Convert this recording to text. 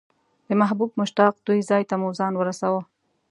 د محبوب مشتاق دوی ځای ته مو ځان ورساوه.